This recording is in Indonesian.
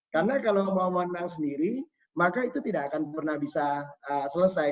karena kalau mau menang sendiri maka itu tidak akan pernah bisa selesai